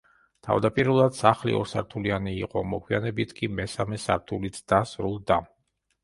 თავდაპირველად, სახლი ორსართულიანი იყო, მოგვიანებით კი მესამე სართულიც დასრულდა.